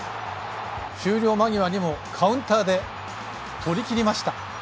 終了間際にもカウンターで取りきりました。